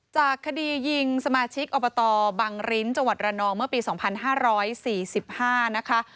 จากคดียิงสมาชิกอบตบังริ้นจังหวัดระนองเมื่อปี๒๕๔๕นะคะ